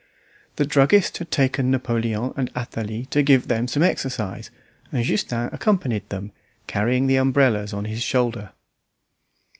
The druggist had taken Napoleon and Athalie to give them some exercise, and Justin accompanied them, carrying the umbrellas on his shoulder.